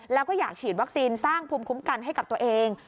แล้วก็อยากฉีดวัคซีนสร้างภูมิคุ้มกันให้กับตัวเอง